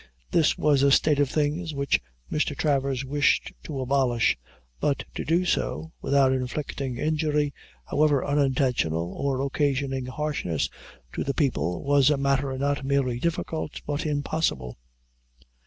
This was a state of things which Mr. Travers wished to abolish, but to do so, without inflicting injury, however unintentional, or occasioning harshness to the people, was a matter not merely difficult but impossible.